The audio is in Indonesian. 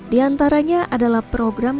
di antaranya adalah program